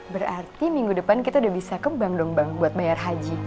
berarti minggu depan kita udah bisa kembang dong bang buat bayar haji